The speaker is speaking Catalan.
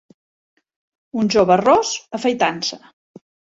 Un jove ros, afaitant-se.